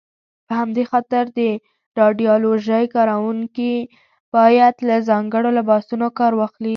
په همدې خاطر د راډیالوژۍ کاروونکي باید له ځانګړو لباسونو کار واخلي.